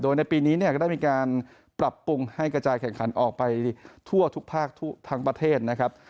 โดยในปีนี้เนี่ยก็ได้มีการปรับปรุงให้กระจายแข่งขันออกไปทั่วทุกภาคทั้งประเทศนะครับ